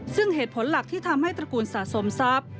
ซึ่งเหตุผลหลักที่ทำให้ตระกูลสะสมทรัพย์